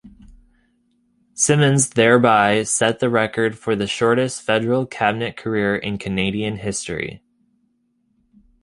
Simmons thereby set the record for the shortest federal Cabinet career in Canadian history.